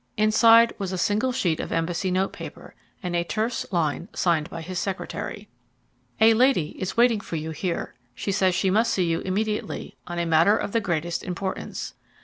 Inside was a single sheet of embassy note paper, and a terse line signed by his secretary: "A lady is waiting for you here. She says she must see you immediately, on a matter of the greatest importance."